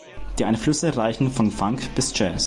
Die Einflüsse reichen von Funk bis Jazz.